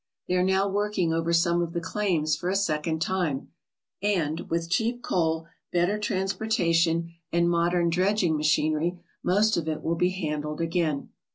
They are now working over some of the claims for a second time and, with cheap coal, better transportation, and modern dredging machinery, most of it will be handled again.